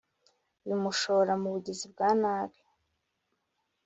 bimushora mu bugizi bwa nabi